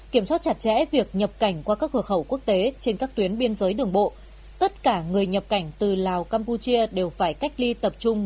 kiểm soát chặt chẽ việc nhập cảnh qua các cửa khẩu quốc tế trên các tuyến biên giới đường bộ tất cả người nhập cảnh từ lào campuchia đều phải cách ly tập trung một mươi bốn ngày